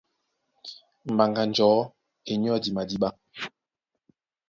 Mbaŋga njɔ̌ e nyɔ́di madíɓá.